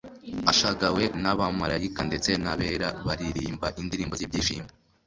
ashagawe n’abamarayika ndetse n’abera baririmba indirimbo z’ibyishimo